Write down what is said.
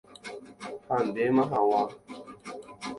ha ndéma hag̃ua